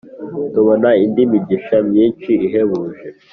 tubona indi migisha myinshi ihebuje